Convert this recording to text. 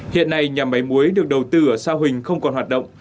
hiện nay nhà máy muối được đầu tư ở sa huỳnh không còn hoạt động